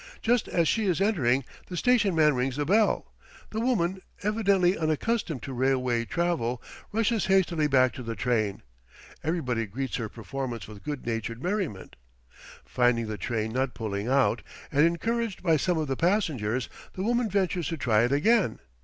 Just as she is entering, the station man rings the bell. The woman, evidently unaccustomed to railway travel, rushes hastily back to the train. Everybody greets her performance with good natured merriment. Finding the train not pulling out, and encouraged by some of the passengers, the woman ventures to try it again.